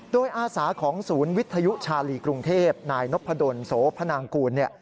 โดยอาสาของศูนย์วิทยุชาลีกรุงเทพนายนพดลโสพนางกูลเนี่ย